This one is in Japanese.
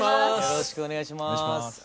よろしくお願いします。